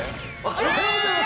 おはようございます。